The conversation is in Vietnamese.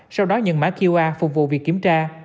sau đó nhận mã qr phục vụ việc kiểm tra